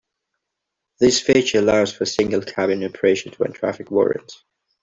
This feature allows for single cabin operation when traffic warrants.